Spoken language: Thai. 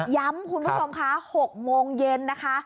คุณผู้ชมค่ะ๖โมงเย็นนะคะ